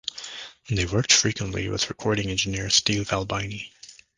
They worked frequently with recording engineer Steve Albini.